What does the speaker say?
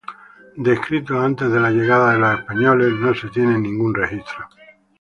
De escritos antes de la llegada de los españoles, no se tiene ningún registro.